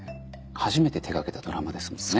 初めて手がけたドラマですもんね。